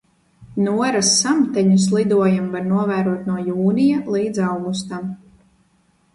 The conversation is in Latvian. Noras samteņus lidojam var novērot no jūnija līdz augustam.